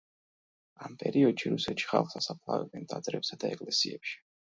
ამ პერიოდში რუსეთში ხალხს ასაფლავებდნენ ტაძრებსა და ეკლესიებში.